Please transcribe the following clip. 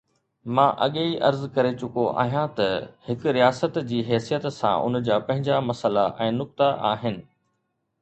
مان اڳيئي عرض ڪري چڪو آهيان ته نه، هڪ رياست جي حيثيت سان ان جا پنهنجا مسئلا ۽ نقطا آهن.